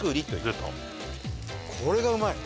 これがうまい。